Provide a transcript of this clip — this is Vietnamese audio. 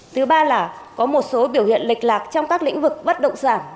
thứ ba là có một số biểu hiện lịch lạc trong các lĩnh vực bất động sản